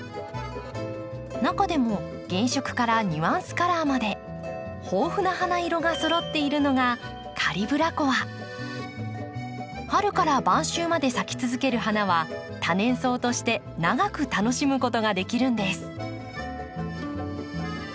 中でも原色からニュアンスカラーまで豊富な花色がそろっているのが春から晩秋まで咲き続ける花は多年草として長く楽しむことができるんです。